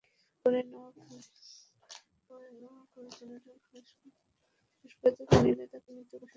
পরে নোয়াখালী জেনারেল হাসপাতালে নিলে তাঁকে মৃত ঘোষণা করেন কর্তব্যরত চিকিৎসা কর্মকর্তা।